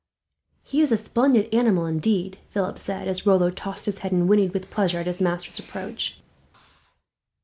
"He is a splendid animal, indeed," Philip said, as Rollo tossed his head, and whinnied with pleasure at his master's approach.